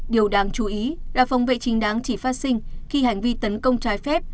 điều đáng chú ý là phòng vệ chính đáng chỉ phát sinh khi hành vi tấn công trái phép